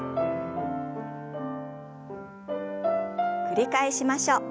繰り返しましょう。